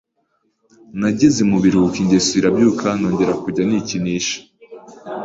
Nageze mubiruhuko ingeso irabyuka nongera kujya nikinisha